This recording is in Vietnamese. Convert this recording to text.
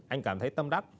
anh cảm thấy tâm đắc